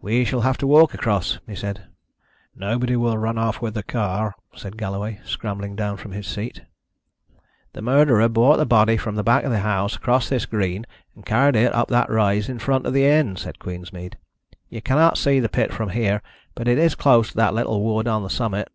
"We shall have to walk across," he said. "Nobody will run off with the car," said Galloway, scrambling down from his seat. "The murderer brought the body from the back of the house across this green, and carried it up that rise in front of the inn," said Queensmead. "You cannot see the pit from here, but it is close to that little wood on the summit.